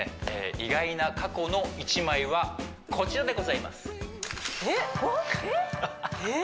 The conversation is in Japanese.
意外な過去の１枚はこちらでございますえっえっ？